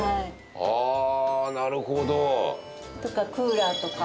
ああなるほど。とかクーラーとか。